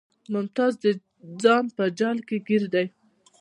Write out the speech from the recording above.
ممتاز د ځان په جال کې ګیر دی